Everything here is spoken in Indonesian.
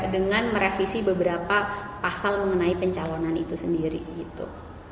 dengan merevisi beberapa pasal mengenai pencalonan itu sendiri gitu